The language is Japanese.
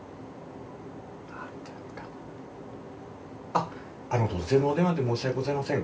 あっあの突然のお電話で申し訳ございません。